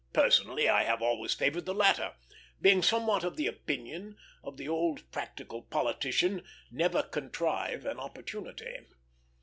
Personally I have always favored the latter, being somewhat of the opinion of the old practical politician "Never contrive an opportunity."